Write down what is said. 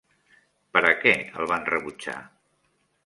Per a què el van rebutjar?